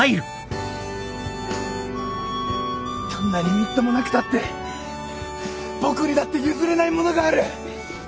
どんなにみっともなくたって僕にだって譲れないものがある。